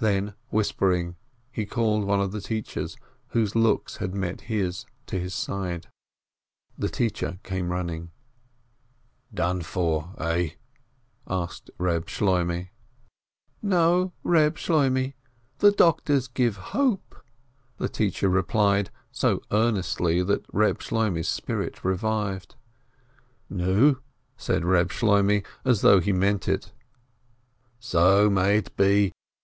Then, whispering, he called one of the teachers, whose looks had met his, to his side. The teacher came running. "Done for, eh?" asked Reb Shloimeh. "No, Reb Shloimeh, the doctors give hope," the teacher replied, so earnestly that Reb Shloimeh's spirits revived. "Nu, nu," said Reb Shloimeh, as though he meant, "So may it be